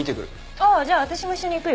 あっじゃあ私も一緒に行くよ。